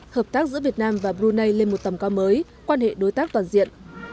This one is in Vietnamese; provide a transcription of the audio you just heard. hợp tác giữa việt nam và brunei lên một tầm cao mới quan hệ đối tác toàn diện